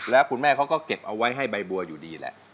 แล้วคุณแม่เขาก็เก็บเอาไว้ให้ใบบัวอยู่ดีแหละ